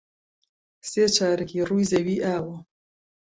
سێ چارەکی ڕووی زەوی ئاوە.